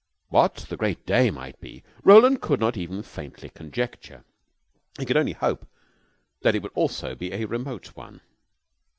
What the Great Day might be Roland could not even faintly conjecture. He could only hope that it would also be a remote one.